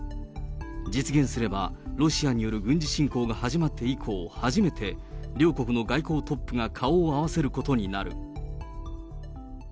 実現すれば、ロシアによる軍事侵攻が始まって以降、初めて、両国の外交トップが顔を合わせることになる。